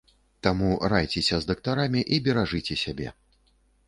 Таму райцеся з дактарамі і беражыце сябе!